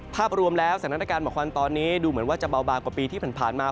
ภาพรวมแล้วสถานการณ์หมอกควันตอนนี้ดูเหมือนว่าจะเบาบางกว่าปีที่ผ่านมา